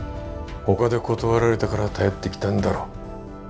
ほかで断られたから頼ってきたんだろ。